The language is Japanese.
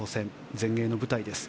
全英の舞台です。